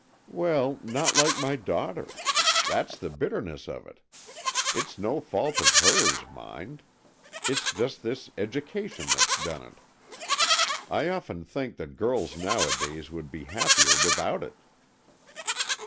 "" Well, not like my daughter. That's the bitterness of it. It's no fault of hers, mind. It's just this education that's done it. I often think that girls nowadays would be happier without it."